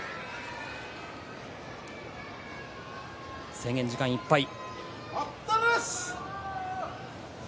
制限時間いっぱい。